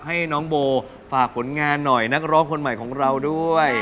ให้น้องโบฝากผลงานหน่อยนักร้องคนใหม่ของเราด้วย